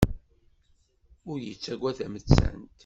Ur yettagad tamettant.